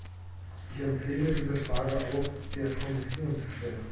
Ich empfehle, diese Frage auch der Kommission zu stellen.